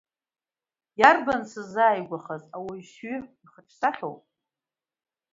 Иарбан сыззааигәахаз, ауаҩшьҩы ихаҿсахьоу?